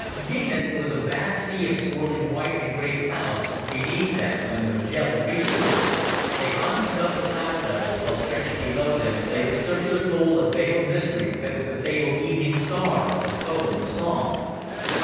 Venus was a vast sea of swirling white and gray clouds beneath them when the Magellan reached it. They hung above the cloud level, while stretching below them lay the circular bowl of veiled mystery that was the fabled evening star of poem and song.